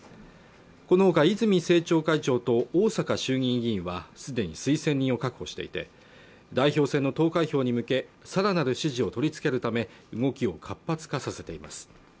このほか泉政調会長と逢坂衆院議員はすでに推薦人を確保していて代表選の投開票に向け更なる支持を取り付けるため動きを活発化させています